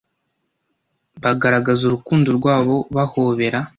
Bagaragaza urukundo rwabo bahobera.